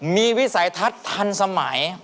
มีวิสัยทัศน์ทันสมัย